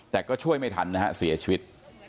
แต่ก็ช่วยไม่ทันนะฮะเสียชีวิต